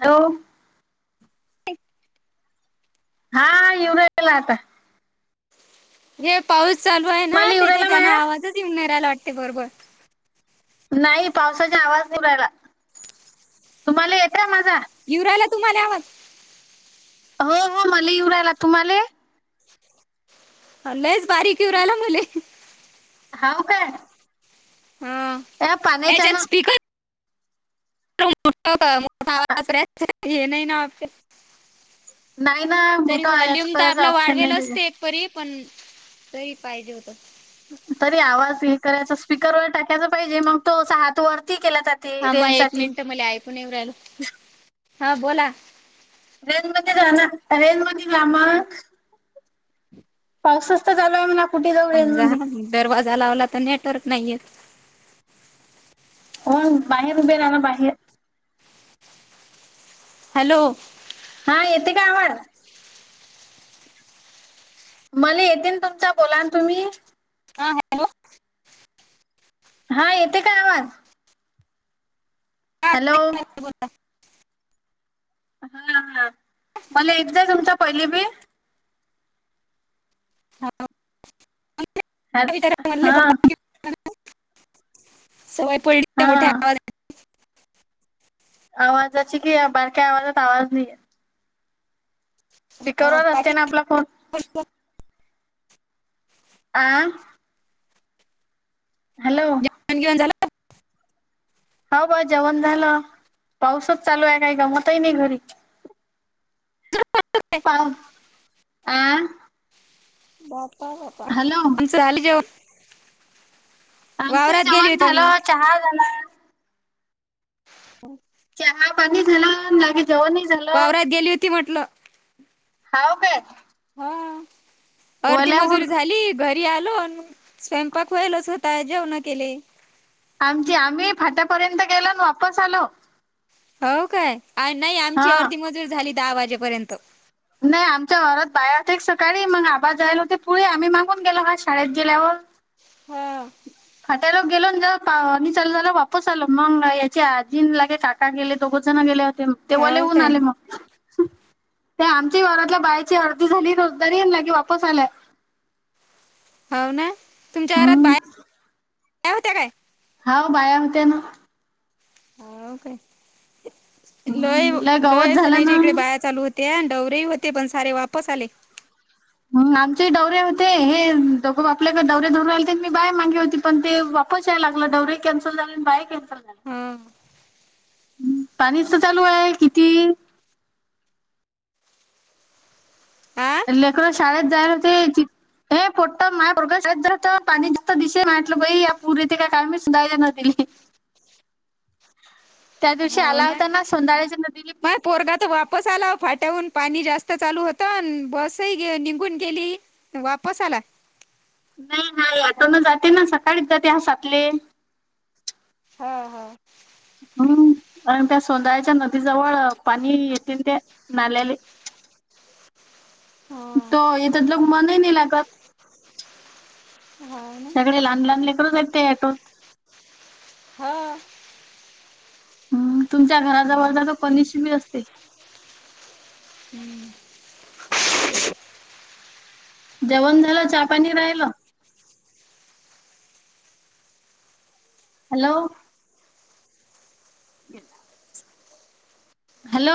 Hello. [inaudible] हा येऊन राहिला आता. जे पाऊस चालू आहे ना तुम्हाला येऊ राहिला त्याच्याच्यान माया आवाजच येऊन रायला वाटते बरोबर. नाही पावसाने आवाज नाही येऊन राहिला तुम्हाला येते माझा? येऊ राहिला तुम्हाला आवाज. हो हो मला येऊ राहिला तुम्हाले. लच बारीकीऊ राहिला मुले. हाव काय. हा ए पाण्याचा याच्यात न स्पीकर [unintelligible] नाही ना तरी मोठा याचं वॉल्यूम करायचा दाबला ऑप्शन नाही वाढवेलच असते. त्याच्यात तरी पण दही पाहिजे होत. तरी आवाज हे करायचा स्पीकरवर टाकायच पाहिजे मग तो हात वरती केला तर. थांबा एक मिनिटं मले ऐकू नाही येऊन राहिलं, हा बोला. रेन मध्ये जा ना रेन मध्ये जा मग. पाऊसच तर चालू हाय म्हणावं. समजा दरवाजा लावला तर नेटवर्क नाही येत. हो बाहेर उभे रावा बाहेर. हॅलो. हा येते का आवाज. मला येतेन तुमचा बोला ना तुम्ही. हा हॅलो हा येते का आवाज? हॅलो. बोला हा हा मला येत जाय तुमचा पहिले बी. हॅलो हॅ हा [unintelligible] सवय पडली त्या हा मोठ्या आवाजाची. आवाजाची की या बारक्या आवाजात आवाज नाहीये. स्पीकरवर बाकी असते ना आपला फोन. [inaudible] आं हॅलो. जेवण गीवन झालं? हाव बा जेवण झालं. पाऊसच चालू हाय, काय गमतही नाही घरी. [unintelligible] आं बापा बापा. हॅलो झाली जेव आमचंही गेली जेवण होती आम्ही झालं चहा झाला. हो चहा पाणी झाला लगे जेवणनही. वावरात गेली होती म्हटलं. हाव काय हा अर्धी मजुरी ओल्याहून झाली. घरी आलो स्वयंपाक व्हयलच होत जेवणं केले. आमची आम्ही फाट्यापर्यंत गेलो आणि वापस आलो. हो काय नाही आमची हा अर्धी मजुरी झाली दहा वाजेपर्यंत. नाही आमच्या घरात बाया एक सकाळी मग आबा जायला होते पुढे आम्ही मागून गेलो का शाळेत गेल्यावर. हां. फाट्यालो गेलो ज पाणी चालू झालं वापस आलो. मग याचे आजीन लगेच आट काय गेले दोघोच जण गेले होते मग तेव्हा हो लहऊन काय आले मग. ते आमच्या वावरातल्या बायची अर्धी झाली रोजदारी अन् लगे वापस आल्या. हाव ना. तुमच्या वावरात हम्म. बाया होत्या काय? हाव बाया होत्या ना. हो काय लय हम्म. गवत लयच झालं जनाईच्या इकडे ना बाया चालू होते आणि डवरे होते पण सारे वापस आले. ह आमचे दौरे होते. हे दोघ बापलेक दौरे धरून आल्यात, मी बाय मागे होती. पण ते पाऊस यायला लागला डवरे कॅन्सल झाले आणि बाया कॅन्सल. ह पाणीच तर चालू आहे किती! हा लेकर शाळेत जायल होते यायची. हे पोटं माया पोरगा शाळेत जातं पाणी नुस्त दिसे माय म्हटलं बाई या पूर येते काय काय माहित. [unintelligible] त्या दिवशी आला होता ना सौंदाळ्याच्या नदीले? माय पूर. पोरगा तर वापस आला फाट्याहून पाणी जास्त चालू होतं अन बसही गे निघून गेली. वापस आला नाही नाही आता ना जाते ना सकाळीच जाते हा सातले. हा हा हम्म आणि त्या सोंदळ्याच्या नदी जवळ पाणी येतील त्या नाल्याले. हा तो येर तडलोक मनही नाही लागत. हा. सगळे लहान लहान लेकरच वाटते एटोत. हा हम्म तुमच्या घराजवळ जा जो पनिश बी अस हम्म. जेवण झालं चहा पाणी राहिलं. हॅलो. गेला हॅलो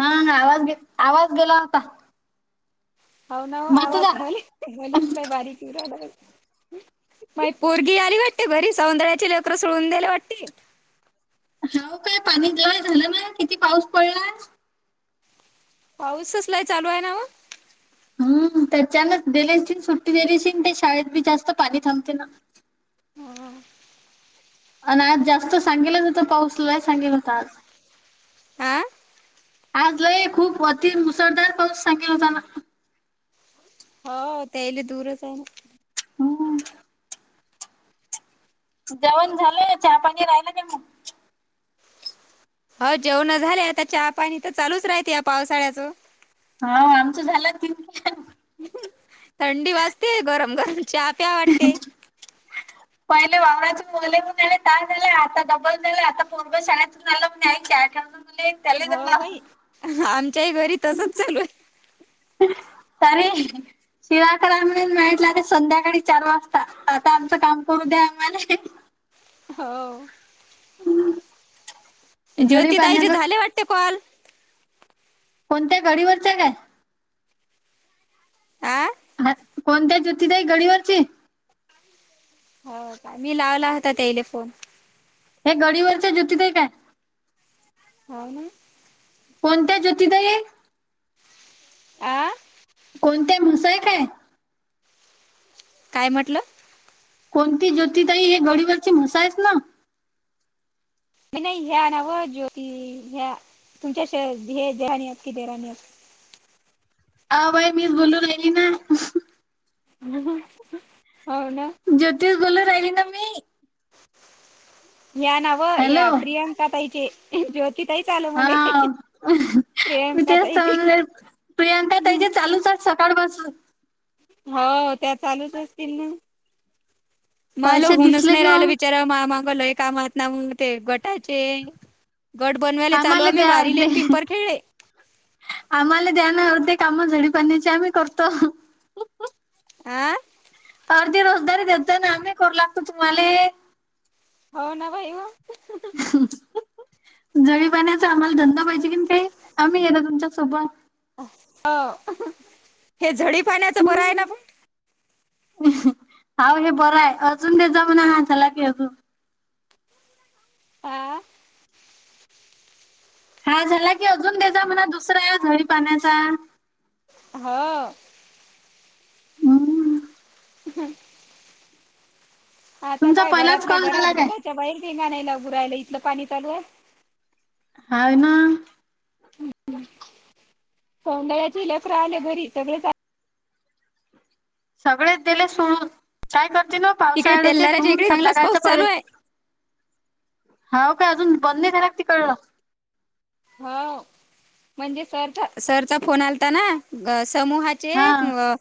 हा आवाज गे आवाज गेला होता. हाव ना हो बसजा आवाज मले मलेस लय बारीक [unintelligible] आला बाई. माई पोरगी आली वाटते घरी सौंदळ्याची लेकरं सोडून दिल्या वाटते. हाव काय पाणी जवळ झालं ना किती पाऊस पडला. पाऊस असलाय चालू आहे ना हो. हम्म त्याच्यानच दिलेची सुट्टी दिलेशिन ते शाळेत बी जास्त पाणी थांबते ना. हो आणि आज जास्त सांगेलच होतं पाऊसला सांगेल होत आज आं आज लय खूप अति मुसळधार पाऊस सांगेला झाला. हो त्याले दूरच आहे ना. हों जेवण झालेय चहा पाणी राहिलं का मग? हो जेवणं झाले आता चहा पाणी तर चालूच राहते या पावसाळ्याचं. हा आमचे झाले ती थंडी वाजते गरम-गरम चहा प्या वाटते. पहिले वावराचे मले [unintelligible] झाला आता डबल झालं आता पोरगा शाळेतून आला. [unintelligible] हो बाई आमच्याही घरी तसच चालू आहे. तारी शिरा करा म्हणून मी म्हटलं ते संध्याकाळी चार वाजता आता आमचं काम करू द्या आम्हाले. हो. हम्म. ज्योति ताईचे झाले वाटते कॉल. कोणत्या गडीवरचं काय? आ हा कोणत्या ज्योती ताई गडीवरची? हाव का मी लावला होता त्याले फोन. हे गडीवरच्या ज्योती ताई काय? हाव ना. कोणत्या ज्योती ताई? आं कोणत्या मुसा एक आहे. काय म्हटलं? कोणती ज्योती ताई हे गडीवरची म्हसा आहेस ना. मी नाही ह्या आणवं ज्योती ह्या तुमच्या श हे जेठाणी की देराणी आ बाई मीच बोलू राहिली ना. हो ना. ज्योतिस बोलू राहिली ना मी. या नावं या हॅलो प्रियांका ताईचे ज्यो तिथं ही चालू म्हणे हा मी प्रियांका तेच तर ताईची हां. सकाळ पासून. हो त्या चांलूच असतील ना, मल पैसे होऊनच दिसले नाही की राहिलं मग बिचारा मह्या, माग लय कामात ना म ते गटाचे. गट बनवायले चालू आम्हाला आम्ही द्या अर्धे वारिलेन पिंपर खेळले. आम्हाला द्याना अर्धे कामं झडी पाण्याचे आम्ही करतो. आं अर्धी रोजदारी देतो ना, करू लागतो तुम्हाले हो ना, बाई व जवळी पाण्याचा आम्हाला धंदा पाहिजे, कनी काय आम्ही तुमच्या सोबत. हाव हे झडी पाण्याचा बरं आहे ना पण. हाव हे बरं आहे अजून ते, जाऊ ना ह झाला की अजून. आं. हा झाला की अजून देजा म्हणा, दुसरा या झडी पाण्याचा. हो. हम्म. हम्म. आता तुमचा काय पहिलाच घरातल्या कॉल झाला घरात काय घराच्या बाहेर नाही, निघायला लागू राहिलं इथलं पाणी चालू आहे. हाय ना. सौदळ्याच लेकर आले, घरी सगळेच. सगळेच दिले सोडून काय करते ना, इकडे पावसाळ्याचे तेलदाऱ्याच्या ठेवून इकडे चांगलाच संध्याकाळच्या पाऊस चालू कळे. आहे हाव का अजून बंद नी झाला तिकळलं. हाव म्हणजे सर सरचा फोन आलता ना ग समूहात हा ते मुआ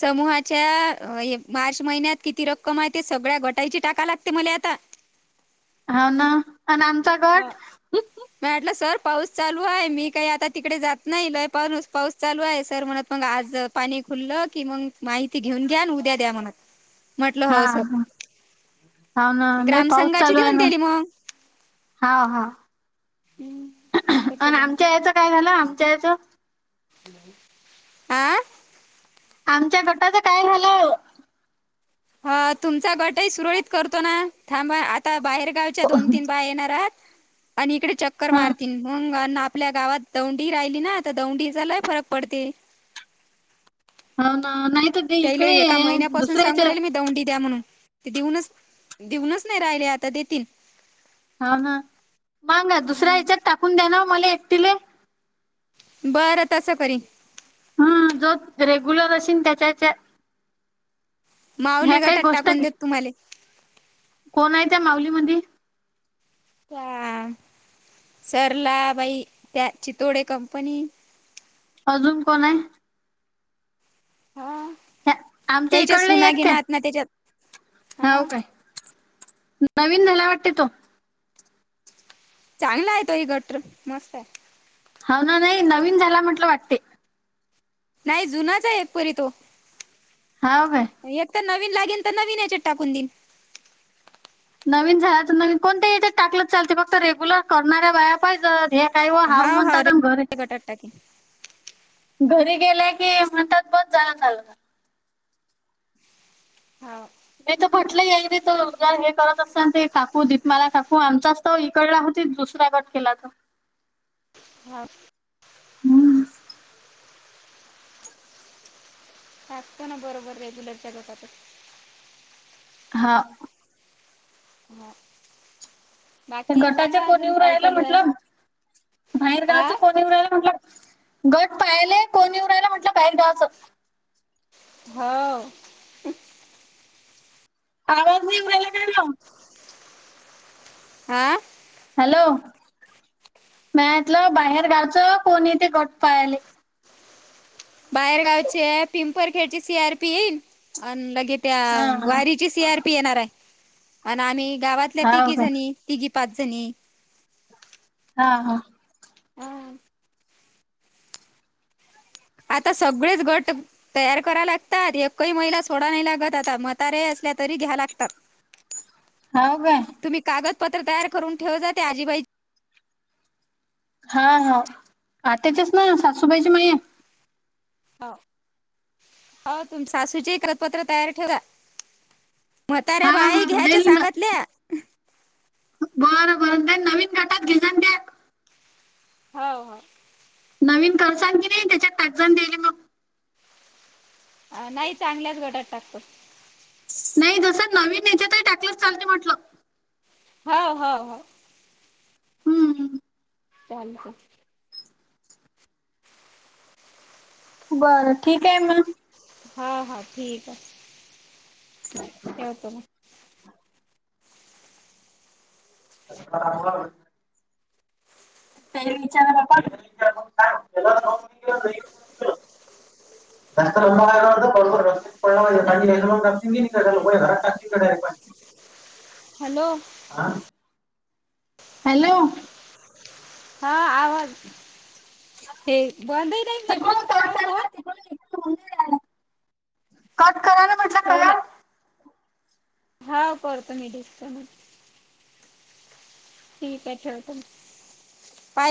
समूहाच्या मार्च महिन्यात किती रक्कम आहे ते, सगळ्या गटायची टाका लागते मला आता. हाव ना आणि आमचा हो गट मी म्हटलं सर पाऊस चालू आहे मी काही आता तिकडे जात नाही लय पारुस पाऊस चालू आहे सर म्हणत मग आज पाणी खुललं कि मग, माहिती घेऊन घ्या उद्या द्या म्हणत. म्हटलं हा हो सर हा हाव ना लय पाऊस ग्रामसंघाची चालू आहे देऊन ना. दिली मग हा हा हम्म असं आणि केलं मग आमच्या याचं काय झालं आमच्या याचं. [inaudible] आ आमच्या गटाचं काय झालं. ह तुमचा गटही सुरळीत करतो ना थांबा आ ता बाहेरगावच्या दोन-तीन बाय येणार आहात आणि इकडे चक्कर हा मारतील मंग ना आपल्या गावात दौंडी राहिली ना, तर दौंडीचा लय फरक पडते. हां ना. तर ते त्याले इकडे एका आहे, महिन्यापासून दुसऱ्या सांगू याच्या राहील मी दौंडी द्या म्हणून. ते देऊनच देऊनच नाही, राहिले आता देतील. हा हा मंग दुसऱ्या हम्म हेच्यात टाकून दे ना, मला एकटीले. बरं तसं करीन. ‌ हम झोप रेग्युलर असेन, तेच्या हेच्या. माऊली काही गटात गोष्ट टाकून देत तुम्हाले. कोण आहे त्या माऊलीमधी? त्या सरला बाई त्या चितोडे कंपनी अजून कोण आहे? हा त्या- त्याच्या सुना घेना आत ना त्याच्यात. हो काय नवीन, झाला वाटते तो. चांगला आहे तो ही गट्र मस्त आहे. हाव ना नाही नवीन झाला म्हटलं वाटते. नाही जुनाच आहे, एक परी तो. हा हाय. एक तर नवीन लागेल तर नवीन, हेच्यात टाकून देईन. नवीन झाल्या तर नवीन कोणत्याही याच्यात टाकलं तरी रेगुलर करणाऱ्या बाया पाहिजेत ह्या काय व हाव म्हणतात, आन घर हाय. [unintelligible] घरी गेल्या की म्हणतात, बस जा [unintelligible] हाव. नाही तर म्हटलं, एक दे तर हे करत असताना ते काकू दीपमाला काकू आमचाच तर इकडला होतीत, दुसरा गट केलातर. हाव. टाकतो ना बरोबर रेग्युलरच्या गटात. हा नाय. गटाच्या कोण येऊन राहिला म्हटलं? हा बाहेरगावच कोण येऊन राहिला म्हटलं? गट पाहिले, कोण येऊन राहिला म्हटलं बाहेर गावचं हो. आवाज नाही येऊन राहिला काय मग? आं. हॅलो, माया इथलं बाहेर गावचं कोण येते गट पाह्याले. बाहेरगावचे पिंपरखेडचे सीआरपी आणि लगे त्या हा वारी ची सी आर पी येणार आहे आणि आम्ही गावातल्या हा तिघी काय जणी, तिघी पाच जणी हा हा. आं. आता सगळेच गट तयार कराव लागतात, एकही महिला सोडाय नाही लागत आता म्हातारे असल्या तरी घ्याय लागतात. [inaudible] हाव काय. तुम्ही कागदपत्र तयार करून ठेव जा, ते आजीबाई. हा हा आताच्याच ना, सासूबाईची म हे हो, हो तुम सासूचे कदपत्र तयार ठेवा. म्हताऱ्या हा बाई हा घ्यायच्या देईल सांगतले. बर बर, ते नवीन गटात घेतात काय? हाव हाव. नवीन कर सांग की नाही, त्याच्या काळजानं द्यायले मग. अ नाही चांगल्याच गटात टाकतो. नाही जोशात नवीन ह्याच्यात हे टाकलं तरी चालतंय म्हटलो. हो हो हो. हम्म. चालू हाय. बरं ठीक आहे मग. हा हा ठीक हाय. ठेवतो मग. [inaudible] [unintelligible] [inaudible] [unintelligible] हॅलो. आ. हॅलो. हा आवाज, हे बंदही नाही करता तिकडून येणार कट का करा फोन? ना तिकडून कट करा ना. म्हटलं करा. [unintelligible] हा करतो मी डिस्कनेक्ट. ठीक आहे ठेवतो मग.